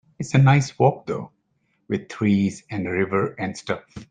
It's a nice walk though, with trees and a river and stuff.